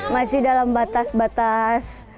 masih dalam batas batas